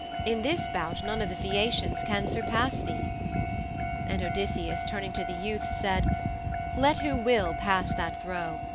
In this bout none of the Phæacians can surpass thee.' And Odysseus, turning to the youths, said, 'Let who will, pass that throw.